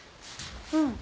うん。